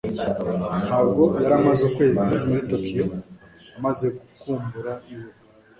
Ntabwo yari amaze ukwezi muri Tokiyo amaze gukumbura iwe